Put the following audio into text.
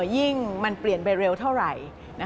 ยิ่งมันเปลี่ยนไปเร็วเท่าไหร่